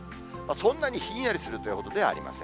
そんなにひんやりするというほどではありません。